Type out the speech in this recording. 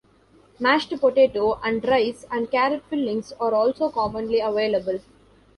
Mashed potato and rice-and-carrot fillings are also commonly available.